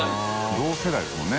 同世代ですもんね